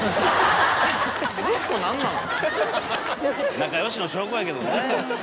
仲よしの証拠やけどね。